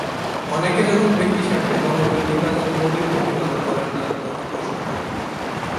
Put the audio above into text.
অনেকে যখন ব্যক্তিস্বার্থে গণবিরোধী কাজের মৌখিক প্রতিবাদও করেন না, তখন কষ্ট পাই।